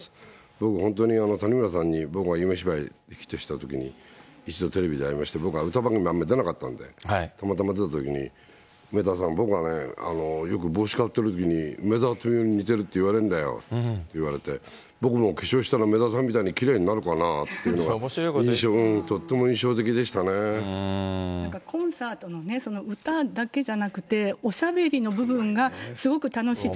僕、本当に谷村さんに僕が夢芝居ヒットしたときに、一度テレビで会いまして、僕は歌番組あんまり出なかったんで、たまたま出たときに、梅沢さん、僕はね、よく帽子かぶってるときに、梅沢富美男に似てるっていわれるんだよって言われて、僕も化粧したら、梅沢さんみたいにきれいになるかなって言ったことがとっても印象なんかコンサートも歌だけじゃなくて、おしゃべりの部分が、すごく楽しいって。